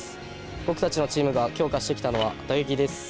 僕たちのチームが強化してきたのは、打撃です。